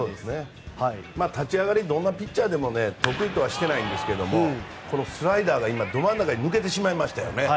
立ち上がりどんなピッチャーでも得意とはしていないんですけどスライダーが今ど真ん中に抜けてしまいましたよね。